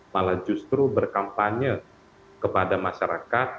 malah justru berkampanye kepada masyarakat